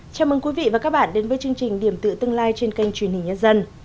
chào mừng quý vị và các bạn đến với chương trình điểm tự tương lai trên kênh truyền hình nhân dân